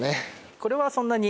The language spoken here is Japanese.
これはそんなに。